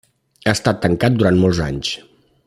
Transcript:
Ha estat tancat durant molts anys.